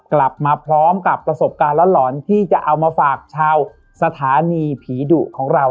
กลับมาพร้อมกับประสบการณ์หลอนที่จะเอามาฝากชาวสถานีผีดุของเรา